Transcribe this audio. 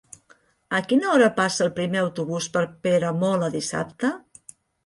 A quina hora passa el primer autobús per Peramola dissabte?